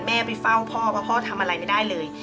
ไปเฝ้าพ่อเพราะพ่อทำอะไรไม่ได้เลย